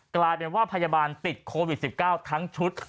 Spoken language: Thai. กลายเป็นว่าพยาบาลติดโควิด๑๙ทั้งชุด